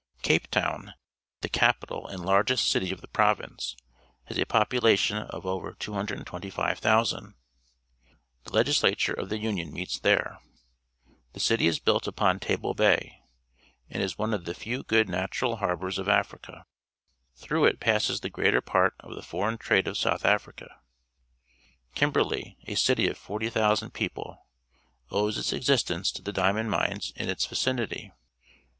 Cave To^ n>, thp cnpitnl nnH largest city of the province, has a population of over 225,000. The Legislature of the Union meets there. The city is built iipon_ jr^fe/fi Ra j /, and is one of the few good natural har bours _ of Africa. Through it passes the greater part of the foreign trade of South Africa. Kimb crk'u ^ a city of 40,000 people, owes its existence to the d iamond mi nes in its vicinity.